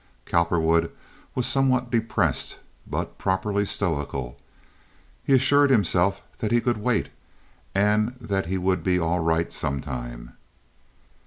Cowperwood was somewhat depressed, but properly stoical; he assured himself that he could wait, and that he would be all right sometime.